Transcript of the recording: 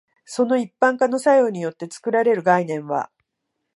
その一般化の作用によって作られる概念は、